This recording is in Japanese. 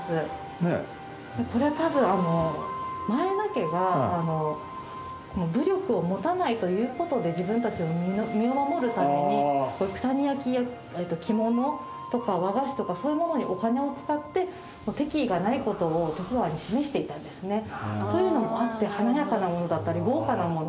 これは多分前田家が武力を持たないという事で自分たちの身を守るために九谷焼や着物とか和菓子とかそういうものにお金を使って敵意がない事を徳川に示していたんですね。というのもあって華やかなものだったり豪華なもの。